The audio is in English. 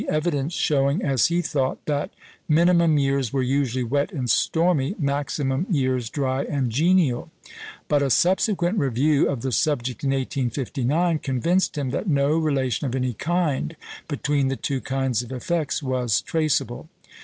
evidence showing (as he thought) that minimum years were usually wet and stormy, maximum years dry and genial; but a subsequent review of the subject in 1859 convinced him that no relation of any kind between the two kinds of effects was traceable.